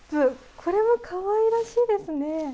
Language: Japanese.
これもかわいらしいですね。